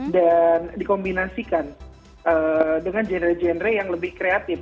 dan dikombinasikan dengan genre genre yang lebih kreatif